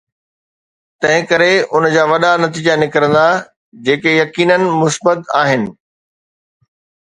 تنهن ڪري ان جا وڏا نتيجا نڪرندا جيڪي يقيناً مثبت آهن.